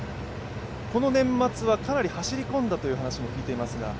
この年末はかなり走り込んだという話も聞いていますが？